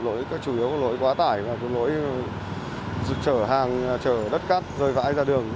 lối chủ yếu là lối quá tải và lối trở hàng trở đất cắt rơi vãi ra đường